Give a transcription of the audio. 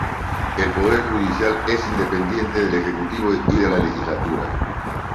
El poder judicial es independiente del ejecutivo y de la legislatura.